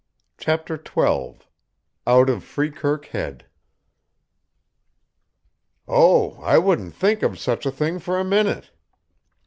CHAPTER XII OUT OF FREEKIRK HEAD "OH, I wouldn't think of such a thing for a minute!"